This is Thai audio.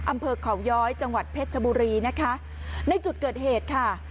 อำเภอเขาย้อยจังหวัดเพชรชบุรีนะคะในจุดเกิดเหตุค่ะ